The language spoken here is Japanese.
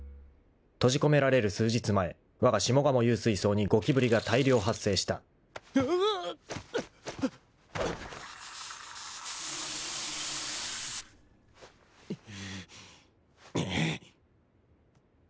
［閉じ込められる数日前わが下鴨幽水荘にゴキブリが大量発生した］うっ。